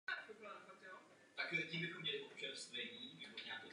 Je aktivní a vitální.